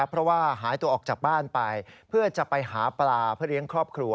เพราะว่าหายตัวออกจากบ้านไปเพื่อจะไปหาปลาเพื่อเลี้ยงครอบครัว